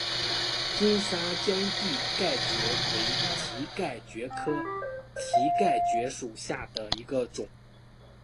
金沙江蹄盖蕨为蹄盖蕨科蹄盖蕨属下的一个种。